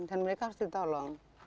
dan mereka harus ditolong